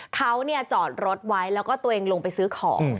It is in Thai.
เขาจอดรถไว้แล้วก็ตัวเองลงไปซื้อของ